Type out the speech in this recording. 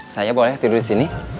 saya boleh tidur di sini